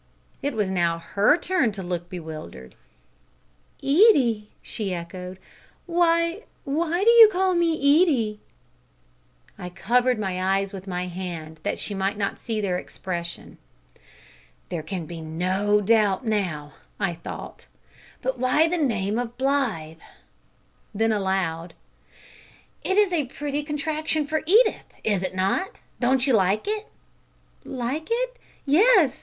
It was now her turn to look bewildered. "Edie!" she echoed. "Why why do you call me Edie?" I covered my eyes with my hand, that she might not see their expression. "There can be no doubt now," I thought; "but why that name of Blythe?" Then aloud: "It is a pretty contraction for Edith, is it not? Don't you like it?" "Like it? Yes.